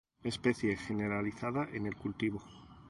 Especie generalizada en el cultivo.